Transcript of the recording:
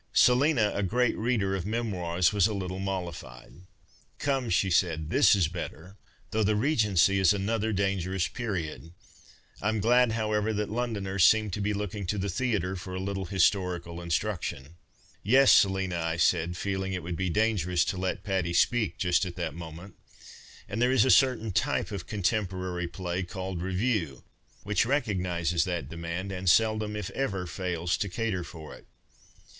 Selina, a great reader of memoirs, was a little molli fied. " Come," she said, " this is better — though the Regency is another dangerous period. I'm glad, however, that Londoners seem to be looking to the theatre for a little historical instruction.'' " Yes, Selina," I said, feeling that it would be dangerous to let Patty speak just at that moment, " and there is a certain type of contemporary i>lay, 2U AGAIN AT MART EL LO TOWER called reinie, which recojTiiizcs that demand and seldom, if ever, fails to cater for it.